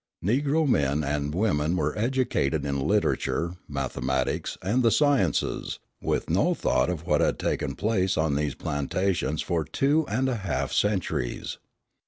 Negro men and women were educated in literature, mathematics, and the sciences, with no thought of what had taken place on these plantations for two and a half centuries.